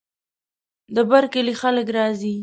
د بر کلي خلک راځي.